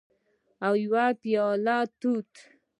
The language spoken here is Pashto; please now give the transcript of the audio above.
او یوه پیاله توت